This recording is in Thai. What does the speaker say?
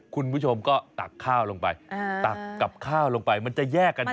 คุณผู้ชมก็ตักข้าวลงไปตักกับข้าวลงไปมันจะแยกกันอยู่